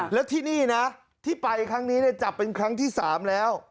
แล้วที่นี่นะที่ไปครั้งนี้จับเป็นครั้งที่๓แล้ว